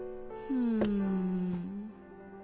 うん。